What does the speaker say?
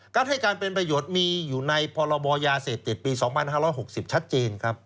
ให้การเป็นประโยชน์มีอยู่ในพรบยาเสพติดปี๒๕๖๐ชัดเจนครับ